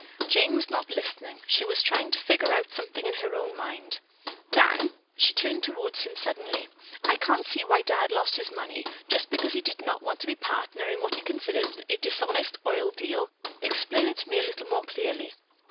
Jane was not listening. She was trying to figure out something in her own mind. "Dan." She turned toward him suddenly. "I can't see why Dad lost his money, just because he did not want to be a partner in what he considered a dishonest oil deal. Explain it to me a little more clearly."